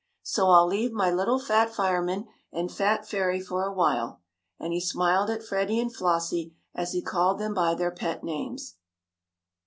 So I'll leave my little fat fireman and fat fairy for a while," and he smiled at Freddie and Flossie, as he called them by their pet names.